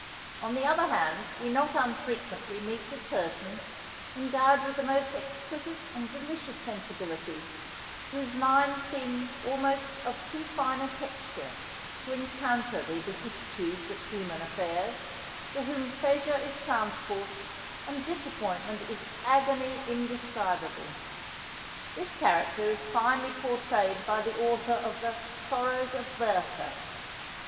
On the other hand, we not unfrequently meet with persons, endowed with the most exquisite and delicious sensibility, whose minds seem almost of too fine a texture to encounter the vicissitudes of human affairs, to whom pleasure is transport, and disappointment is agony indescribable. This character is finely pourtrayed by the author of the Sorrows of Werter.